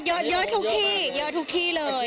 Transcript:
เยอะทุกที่เยอะทุกที่เลย